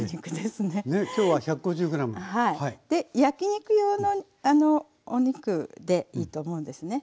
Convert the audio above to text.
焼き肉用のお肉でいいと思うんですね。